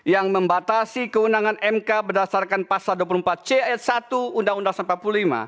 yang membatasi keundangan mk berdasarkan pasal dua puluh empat eis satu undang undang dasar empat puluh lima